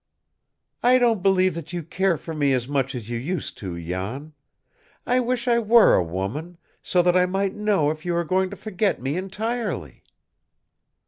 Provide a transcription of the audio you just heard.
"I don't believe that you care for me as much as you used to, Jan. I wish I were a woman, so that I might know if you are going to forget me entirely!"